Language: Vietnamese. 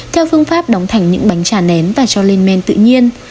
theo phương pháp đóng thành những bánh trà nén và cho lên men tự nhiên